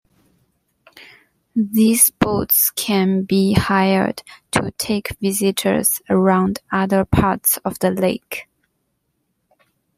These boats can be hired to take visitors around other parts of the lake.